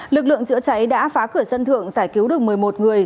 lực lượng chữa cháy đã phá cửa sân thượng giải cứu được một mươi một người